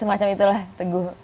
semacam itulah teguh